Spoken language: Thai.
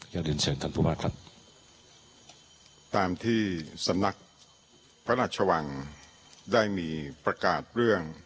อยากเรียนเชิญทางทุกพุมหาคับ